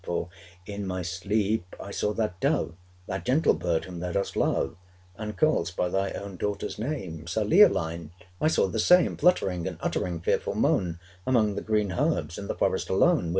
530 For in my sleep I saw that dove, That gentle bird, whom thou dost love, And call'st by thy own daughter's name Sir Leoline! I saw the same Fluttering, and uttering fearful moan, 535 Among the green herbs in the forest alone.